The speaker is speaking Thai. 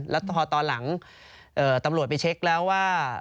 แล้วพอตอนหลังตำรวจไปเช็คแล้วว่า